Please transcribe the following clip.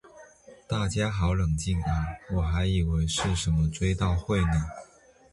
大伙好冷静啊我还以为是什么追悼会呢